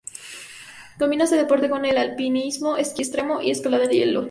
Combina este deporte con el alpinismo, esquí extremo y escalada en hielo.